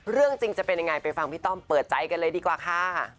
เรื่องจริงจะเป็นยังไงไปฟังพี่ต้อมเปิดใจกันเลยดีกว่าค่ะ